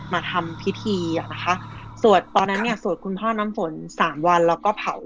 มาทำพิธีอ่ะนะคะสวดตอนนั้นเนี่ยสวดคุณพ่อน้ำฝนสามวันแล้วก็เผา